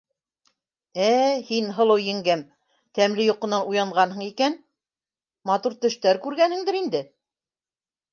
— Ә, һин, һылыу еңгәм, тәмле йоҡонан уянғанһың икән, матур төштәр күргәнһеңдер инде.